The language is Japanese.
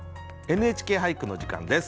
「ＮＨＫ俳句」の時間です。